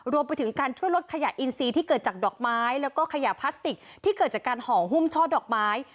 รวมไปถึงการช่วยลดขยะอินซีที่เกิดจากดอกไม้แล้วก็ขยะพลาสติกที่เกิดจากการห่อหุ้มช่อดอกไม้